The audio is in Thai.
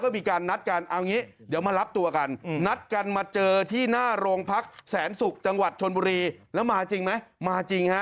มันอยู่ยังไง